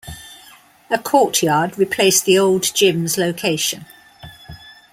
A courtyard replaced the old gym's location.